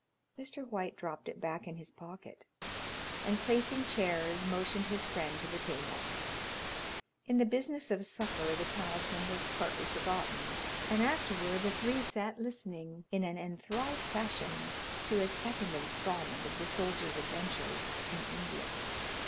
Mr. White dropped it back in his pocket, and placing chairs, motioned his friend to the table. In the business of supper the talisman was partly forgotten, and afterward the three sat listening in an enthralled fashion to a second instalment of the soldier's adventures in India.